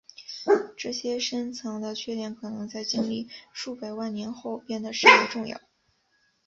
这些深层的缺点可能在经历数百万年后变得甚为重要。